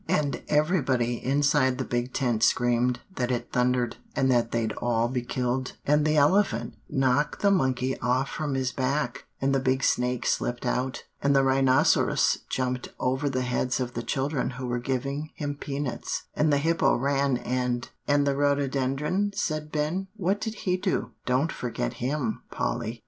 And everybody inside the big tent screamed that it thundered, and that they'd all be killed, and the elephant knocked the monkey off from his back, and the big snake slipped out, and the rhinoceros jumped over the heads of the children who were giving him peanuts, and the hippo ran, and" "And the rhododendron," said Ben "what did he do? Don't forget him, Polly."